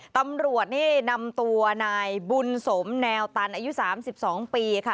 ตำรวจนี่นำตัวนายบุญสมแนวตันอายุ๓๒ปีค่ะ